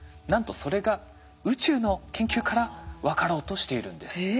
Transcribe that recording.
なんとそれが宇宙の研究から分かろうとしているんです。